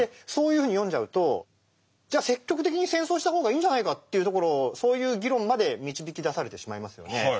そういうふうに読んじゃうとじゃあ積極的に戦争した方がいいんじゃないかというところそういう議論まで導き出されてしまいますよね。